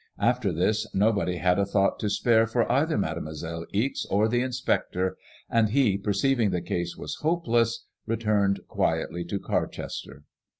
After this nobody had a thought to spare for either Mademoiselle Ixe or the inspector, and he, per ceiving the case was hopeless, returned quietly to Carchester.